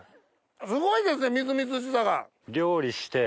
すごいですねみずみずしさが。